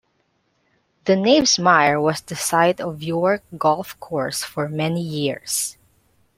The Knavesmire was the site of York Golf course for many years.